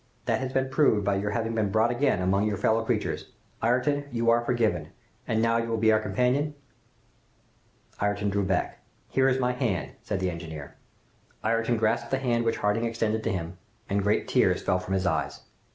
That has been proved by your having been brought again among your fellow creatures. Ayrton, you are forgiven! And now you will be our companion?" Ayrton drew back. "Here is my hand!" said the engineer. Ayrton grasped the hand which Harding extended to him, and great tears fell from his eyes.